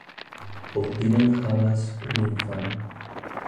Outinen havas unu infanon.